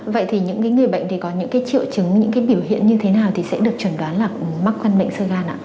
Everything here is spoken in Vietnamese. vậy thì những người bệnh có những triệu chứng những biểu hiện như thế nào sẽ được chuẩn đoán là mắc văn bệnh sơ gan ạ